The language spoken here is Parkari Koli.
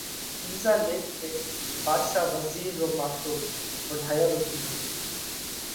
ٻِيزا ليک ۾ ڀاڌشا وزِير رو ماٿو واڍيا رو ڪِيڌو۔